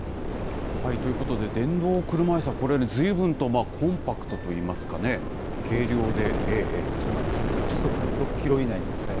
ということで、電動車いすは、これ、ずいぶんとまあ、コンパクトといいますかね、軽量で。